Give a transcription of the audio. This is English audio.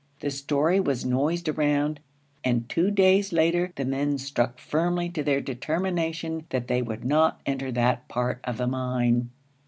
The story was noised around, and two days later the men stuck firmly to their determination that they would not enter that part of the mine.